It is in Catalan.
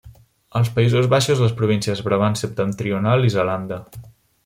Als Països Baixos les províncies Brabant Septentrional i Zelanda.